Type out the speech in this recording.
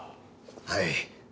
はい。